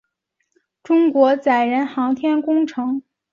中国载人航天工程各大系统分别设有总指挥和总设计师。